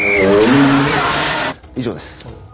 以上です。